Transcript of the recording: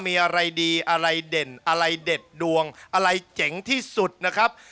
มีอะไรดีอะไรเด่นอะไรเด็ดดวงอะไรเจ๋งที่สุดนะครับ